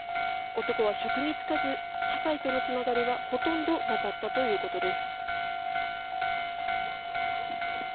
男は職に就かず社会とのつながりはほとんどなかったということです。